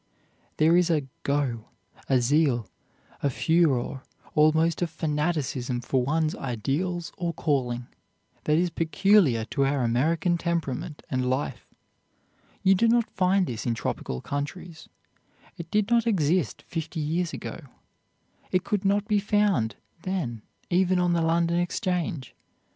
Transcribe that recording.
There is a "go," a zeal, a furore, almost a fanaticism for one's ideals or calling, that is peculiar to our American temperament and life. You do not find this in tropical countries. It did not exist fifty years ago. It could not be found then even on the London Exchange.